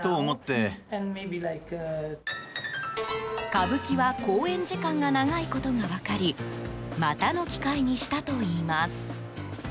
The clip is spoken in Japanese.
歌舞伎は公演時間が長いことが分かりまたの機会にしたといいます。